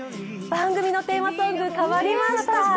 番組のテーマソング、変わりました。